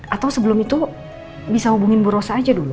atau sebelum itu bisa hubungin bu rosa aja dulu